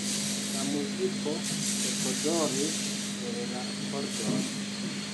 La muziko ekodoris el la kordoj.